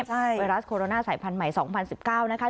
ไวรัสโคโรนาสายพันธุ์ใหม่๒๐๑๙นะคะ